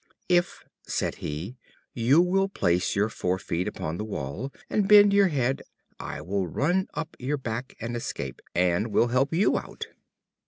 "If," said he, "you will place your fore feet upon the wall, and bend your head, I will run up your back and escape, and will help you out."